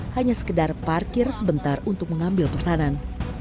hanya sekedar parkir sebentar untuk mengambil pesanan